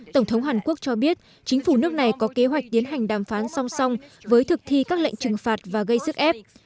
tổng thống hàn quốc cho biết chính phủ nước này có kế hoạch tiến hành đàm phán song song với thực thi các lệnh trừng phạt và gây sức ép